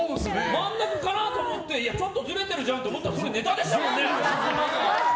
真ん中かな？と思ってちょっとずれてるじゃんって思ったらネタでしたね。